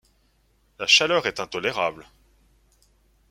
La chaleur est intolérable.